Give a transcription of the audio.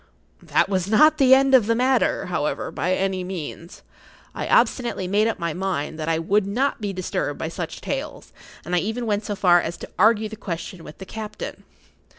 That was not the end of the matter, however, by any means. I obstinately made up my mind that I would not be disturbed by such tales, and I even went so far as to argue the question with the captain.